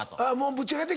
ぶっちゃけて。